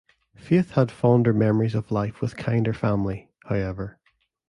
Faith had fonder memories of life with kinder family, however.